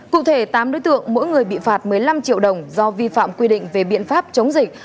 cụ thể tám đối tượng mỗi người bị phạt một mươi năm triệu đồng do vi phạm quy định về biện pháp chống dịch